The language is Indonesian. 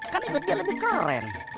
kan ikut dia lebih keren